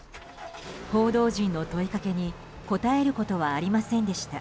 報道陣の問いかけに答えることはありませんでした。